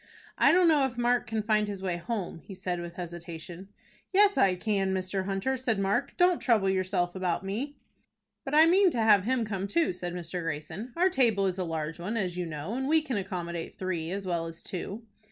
"I don't know if Mark can find his way home," he said with hesitation. "Yes, I can, Mr. Hunter," said Mark. "Don't trouble yourself about me." "But I mean to have him come too," said Mr. Greyson. "Our table is a large one, as you know, and we can accommodate three as well as two."